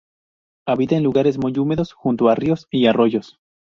Habita en lugares muy húmedos, junto a ríos y arroyos.